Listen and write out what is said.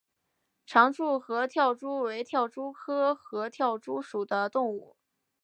长触合跳蛛为跳蛛科合跳蛛属的动物。